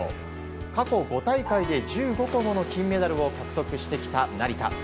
過去５大会で１５個もの金メダルを獲得してきた成田。